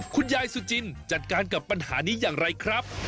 คุณยายสุจินจัดการกับปัญหานี้อย่างไรครับ